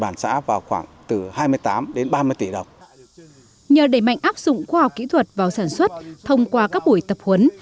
nhờ đẩy mạnh áp dụng khoa học kỹ thuật vào sản xuất thông qua các buổi tập huấn